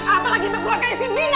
apalagi dengan keluarga si mina